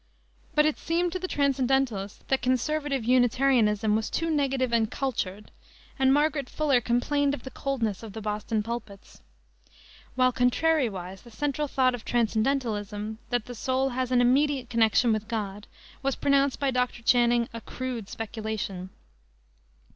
But it seemed to the transcendentalists that conservative Unitarianism was too negative and "cultured," and Margaret Fuller complained of the coldness of the Boston pulpits. While contrariwise the central thought of transcendentalism, that the soul has an immediate connection with God, was pronounced by Dr. Channing a "crude speculation."